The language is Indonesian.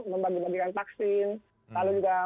membagi bagikan vaksin lalu juga